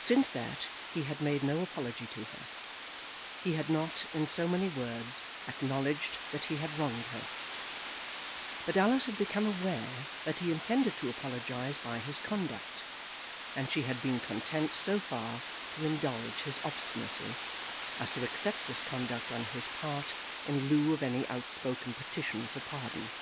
Since that he had made no apology to her; he had not, in so many words, acknowledged that he had wronged her; but Alice had become aware that he intended to apologize by his conduct, and she had been content so far to indulge his obstinacy as to accept this conduct on his part in lieu of any outspoken petition for pardon.